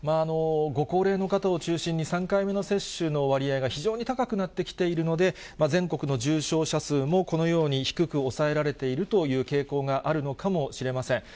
ご高齢の方を中心に３回目の接種の割合が非常に高くなってきているので、全国の重症者数もこのように低く抑えられているという傾向があるのかもしれません。